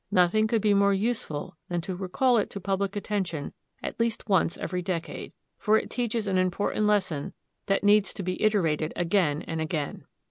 Nothing could be more useful than to recall it to public attention at least once every decade; for it teaches an important lesson that needs to be iterated again and again.